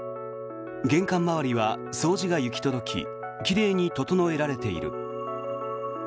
玄関周りは掃除が行き届き奇麗に整えられている。